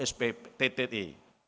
yang menurut ap